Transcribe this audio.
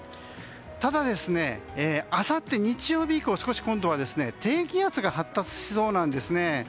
ただですね、あさって日曜日以降少し今度は低気圧が発達しそうなんですね。